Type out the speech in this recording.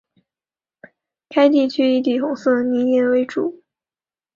该地层以紫红色泥岩为主。